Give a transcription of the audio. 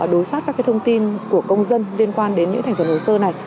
đối soát các thông tin của công dân liên quan đến những thành phần hồ sơ này